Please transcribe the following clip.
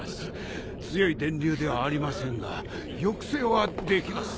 強い電流ではありませんが抑制はできます。